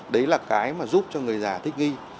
đấy là cái mà giúp cho người già thích nghi